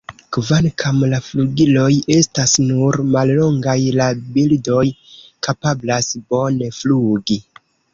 Kvankam la flugiloj estas nur mallongaj, la birdoj kapablas bone flugi.